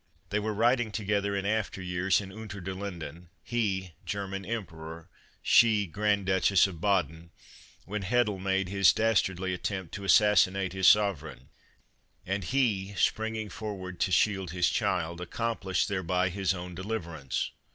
They were riding together in after years in Unter den Linden, he German Emperor, she Grand Duchess of Baden, when Hoedel made his dastardly attempt to assassinate his sovereign, and he springing forward to shield his child, accomplished thereby his own deliverance.